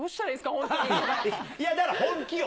本当いや、だから本気よ。